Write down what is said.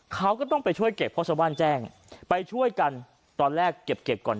เขาก็ต้องไปช่วยเก็บเพราะชาวบ้านแจ้งไปช่วยกันตอนแรกเก็บก่อน